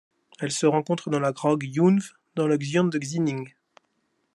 Elle se rencontre dans la grotte Yunv dans le xian de Xinning.